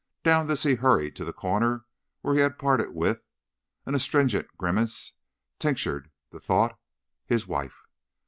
Down this he hurried to the corner where he had parted with—an astringent grimace tinctured the thought—his wife.